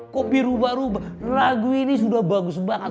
kok dirubah rubah lagu ini sudah bagus banget